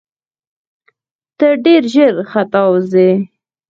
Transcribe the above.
ته ډېر ژر ختاوزې !